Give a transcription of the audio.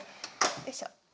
よいしょ。